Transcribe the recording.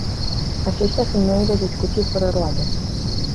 Acestea sunt noile discuții fără roade.